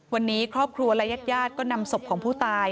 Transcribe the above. วันนี้ครอบครัวและญาติก็นำศพของผู้ตาย